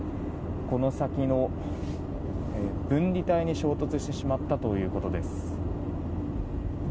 この先の分離帯に衝突してしまったということです。